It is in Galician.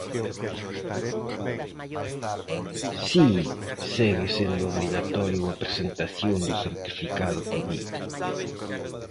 Si segue sendo obrigatorio a presentación do certificado covid.